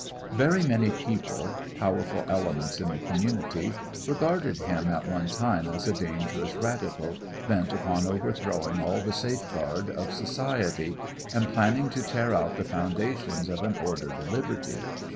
Very many people, powerful elements in the community, regarded him at one time as a dangerous radical, bent upon overthrowing all the safe guard of society and planning to tear out the foundations of an ordered liberty.